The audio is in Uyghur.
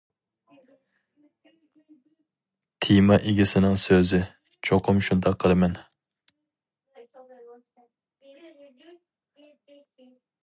تېما ئىگىسىنىڭ سۆزى : چوقۇم شۇنداق قىلىمەن.